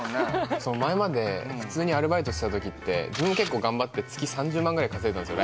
そう前まで普通にアルバイトしてたときって自分も結構頑張って月３０万ぐらい稼いでたんですよ